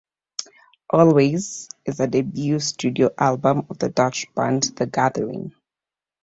Always... is the debut studio album of the Dutch band The Gathering.